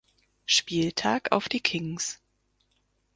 Spieltag auf die Kings.